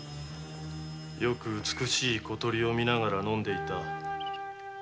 よく美しい小鳥を見ながら飲んでいた。